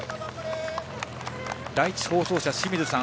第１放送車、清水さん